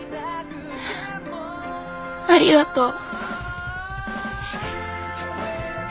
ありがとう。